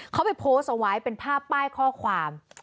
เขาไปโพสต์เอาไว้เป็นภาพป้ายข้อความ